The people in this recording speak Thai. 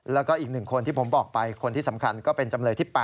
แล้วก็อีก๑คนที่ผมบอกไปคนที่สำคัญก็เป็นจำเลยที่๘